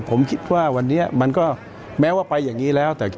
ผมคิดว่าวันนี้มันก็แม้ว่าไปอย่างนี้แล้ว